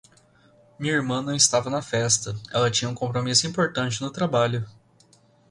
Minha irmã não estava na festa, ela tinha um compromisso importante no trabalho.